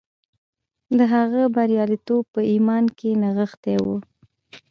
د هغه برياليتوب په ايمان کې نغښتی و.